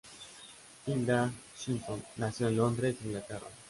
Tilda Swinton nació en Londres, Inglaterra.